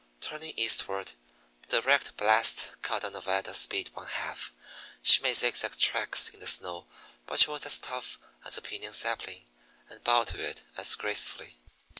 Turning eastward, the direct blast cut down Nevada's speed one half. She made zigzag tracks in the snow; but she was as tough as a piñon sapling, and bowed to it as gracefully.